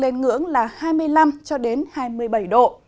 nền nhiệt năng lên ngưỡng là hai mươi năm hai mươi bảy độ